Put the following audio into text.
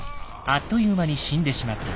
あっという間に死んでしまった。